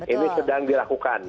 ini sedang dilakukan